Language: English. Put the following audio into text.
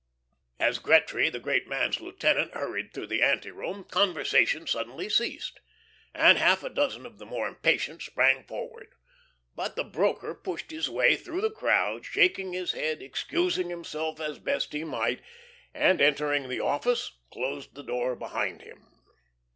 As Gretry, the great man's lieutenant, hurried through the anteroom, conversation suddenly ceased, and half a dozen of the more impatient sprang forward. But the broker pushed his way through the crowd, shaking his head, excusing himself as best he might, and entering the office, closed the door behind him.